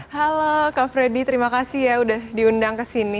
halo kak freddy terima kasih ya udah diundang ke sini